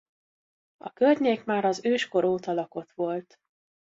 A környék már az őskor óta lakott volt.